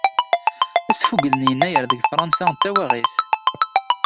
Asfugel n yennayer deg faransa d tawaɣit.